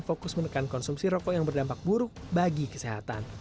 fokus menekan konsumsi rokok yang berdampak buruk bagi kesehatan